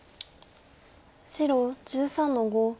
白１３の五。